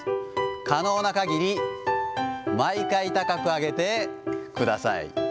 可能なかぎり、毎回高く上げてください。